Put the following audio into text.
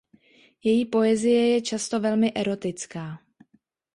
Její poezie je často velmi erotická.